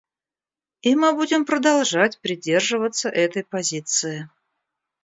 И мы будем продолжать придерживаться этой позиции.